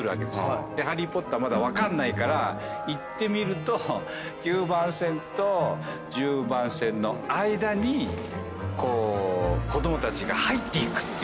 ハリー・ポッターまだ分かんないから行ってみると９番線と１０番線の間に子供たちが入っていくっていうシーンがあるんですよね。